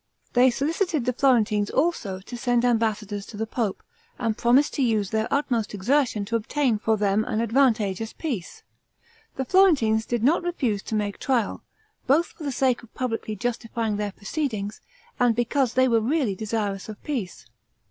They solicited the Florentines also to send ambassadors to the pope, and promised to use their utmost exertion to obtain for them an advantageous peace. The Florentines did not refuse to make trial, both for the sake of publicly justifying their proceedings, and because they were really desirous of peace.